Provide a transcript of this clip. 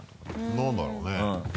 何だろうね？